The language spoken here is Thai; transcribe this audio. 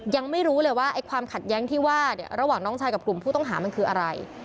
ยังไม่รู้เลยว่าความขัดแย้งที่ว่าระหว่างน้องชายกับกลุ่มผู้ต้องหามันคืออะไร